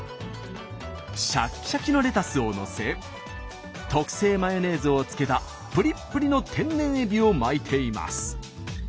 シャキシャキのレタスをのせ特製マヨネーズをつけたプリップリの天然エビを巻いています。